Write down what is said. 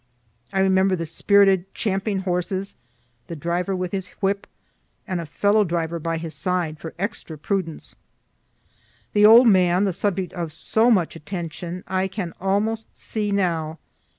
I remember the spirited, champing horses, the driver with his whip, and a fellow driver by his side, for extra prudence. The old man, the subject of so much attention, I can almost see now.